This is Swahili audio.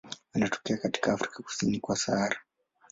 Anatokea katika Afrika kusini kwa Sahara.